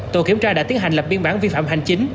tổ kiểm tra đã tiến hành lập biên bản vi phạm hành chính